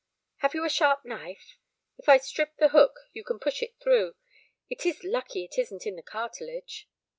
'Have you a sharp knife? If I strip the hook you can push it through; it is lucky it isn't in the cartilage.'